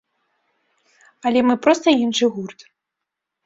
Але мы проста іншы гурт.